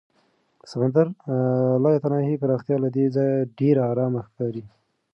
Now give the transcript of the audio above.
د سمندر لایتناهي پراختیا له دې ځایه ډېره ارامه ښکاري.